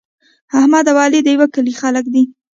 احمد او علي د یوه کلي خلک دي.